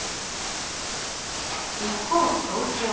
一方、東京。